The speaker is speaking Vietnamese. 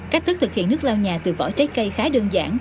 cách thức thực hiện nước lau nhà từ vỏ trái cây khá đơn giản